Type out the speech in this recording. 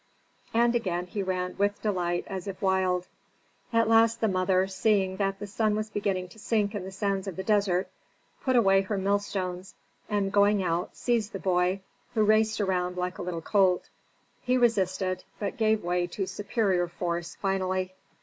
And again he ran with delight as if wild. At last the mother, seeing that the sun was beginning to sink in the sands of the desert, put away her mill stones, and, going out, seized the boy, who raced around like a little colt. He resisted but gave way to superior force finally.